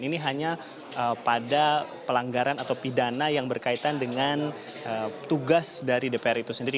ini hanya pada pelanggaran atau pidana yang berkaitan dengan tugas dari dpr itu sendiri